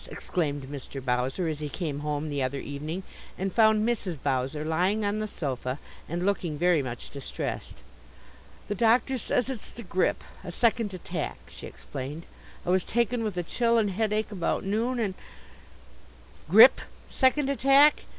exclaimed Mr. Bowser, as he came home the other evening and found Mrs. Bowser lying on the sofa and looking very much distressed. "The doctor says it's the grip a second attack," she explained. "I was taken with a chill and headache about noon and " "Grip? Second attack?